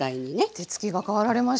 手つきが変わられました。